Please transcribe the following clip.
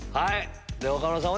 岡村さん